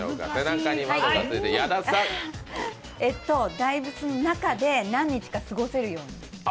大仏の中で何日か過ごせるように？